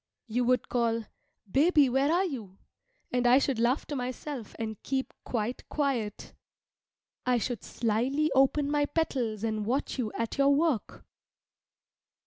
You would call, "Baby, where are you?" and I should laugh to myself and keep quite quiet. I should slyly open my petals and watch you at your work.